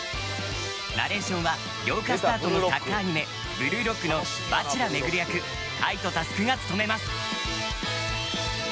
ナレーションは８日スタートのサッカーアニメ「ブルーロック」の蜂楽廻役、海渡翼が務めます！